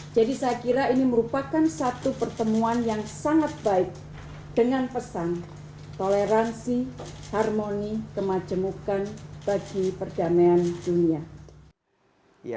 jadi saya kira ini merupakan satu pertemuan yang sangat baik dengan pesan toleransi harmoni kemajemukan bagi perdamaian dunia